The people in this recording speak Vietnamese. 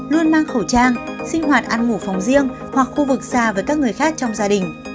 luôn mang khẩu trang sinh hoạt ăn ngủ phòng riêng hoặc khu vực xa với các người khác trong gia đình